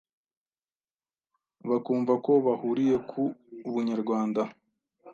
bakumva ko bahuriye ku bunyarwanda.